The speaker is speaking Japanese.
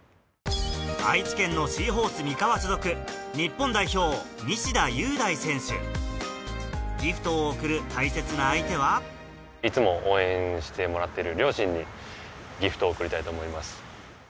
愛知県のシーホース三河所属日本代表ギフトを贈る大切な相手はいつも応援してもらってる両親にギフトを贈りたいと思います。